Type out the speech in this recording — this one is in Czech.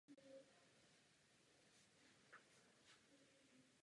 Od prosince do dubna zamrzá.